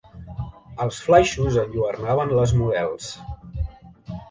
Els flaixos enlluernaven les models.